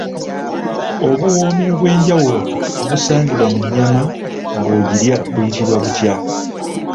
Obuwoomi obw'enjawulo obusangibwa mu nnyama ng'ogirya buyitibwa butya?